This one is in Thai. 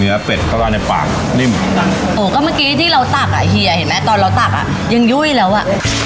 เนื้อเป็ดเข้าได้ในปากนิ่มนั้นโอ้ก็เมื่อกี้ที่เราตักอ่ะเฮียเห็นมั้ยตอนเราตักอ่ะยังยุ่ยแล้วอ่ะ